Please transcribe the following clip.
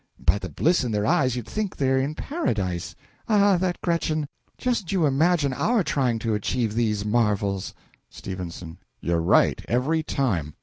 by the bliss in their eyes, you'd think they're in Paradise! Ah, that Gretchen! Just you imagine our trying to achieve these marvels! S. You're right every time.